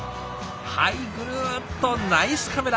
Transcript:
はいぐるーっとナイスカメラ！